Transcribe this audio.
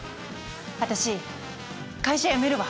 私会社辞めるわ。